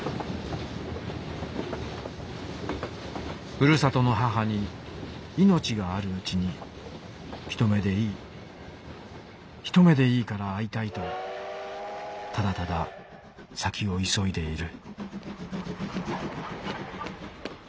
「ふるさとの母にいのちがあるうちに一目でいい一目でいいから会いたいとただただ先をいそいでいる」。